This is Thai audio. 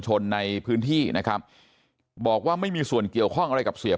ชนในพื้นที่นะครับบอกว่าไม่มีส่วนเกี่ยวข้องอะไรกับเสีย